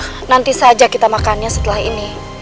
nah nanti saja kita makannya setelah ini